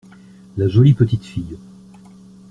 La jolie petite fille.